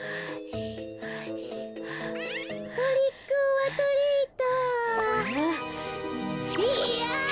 トリックオアトリート。